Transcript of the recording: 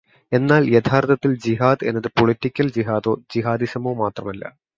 എന്നാല് യഥാര്ത്ഥത്തില് ജിഹാദ് എന്നത് പൊളിറ്റിക്കല് ജിഹാദോ, ജിഹാദിസമോ മാത്രമല്ല.